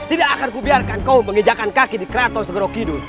tidak akan kubiarkan kau mengejakan kaki di keraton segera kidul